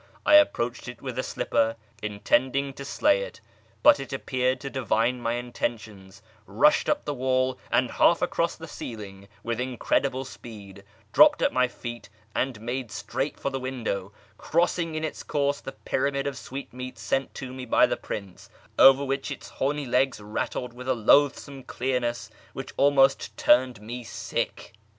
I approached it with a slipper, intending to slay it, but it appeared to divine my intentions, rushed up the wall and half across the ceiling with incredible speed, dropped at my feet, and made straight for the window, crossing in its course the pyramid of sweetmeats sent to me by the Prince, over which its horny legs rattled with a loathsome clearness which almost turned me sick.